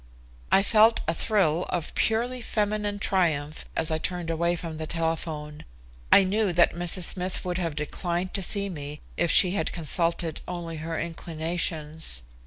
I felt a thrill of purely feminine triumph as I turned away from the telephone. I knew that Mrs. Smith would have declined to see me if she had consulted only her inclinations.